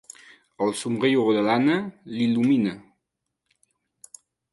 El somriure de l'Anna l'illumina.